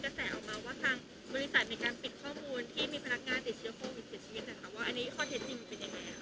จะใส่ออกมาว่างบริษัทในการปิดข้อมูลที่มีพนักงานเจ็บโชภวิตเสียชีวิต